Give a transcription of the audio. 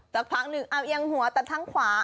ตัดข้างหนึ่งเอาเอียงหัวตัดข้างขวา